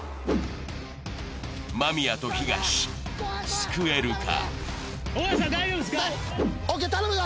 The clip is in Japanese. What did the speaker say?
間宮と東、救えるか。